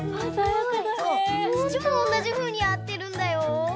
つちもおんなじふうにやってるんだよ。